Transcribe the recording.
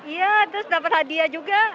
iya terus dapat hadiah juga